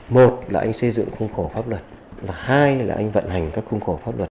một là anh xây dựng khung khổ pháp luật và hai là anh vận hành các khung khổ pháp luật